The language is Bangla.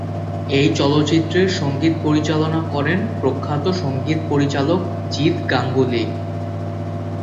এই চলচ্চিত্রের সঙ্গীত পরিচালনা করেন প্রখ্যাত সঙ্গীত পরিচালক জিৎ গাঙ্গুলী।